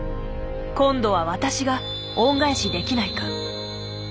今度は私が恩返しできないか。